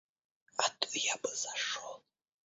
А то я бы зашел.